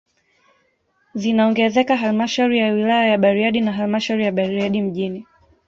Zinaongezeka halmashauri ya wilaya ya Bariadi na halmashauri ya Bariadi mji